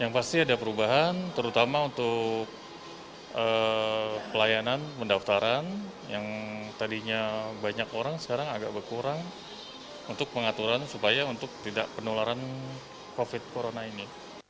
yang pasti ada perubahan terutama untuk pelayanan pendaftaran yang tadinya banyak orang sekarang agak berkurang untuk pengaturan supaya untuk tidak penularan covid corona ini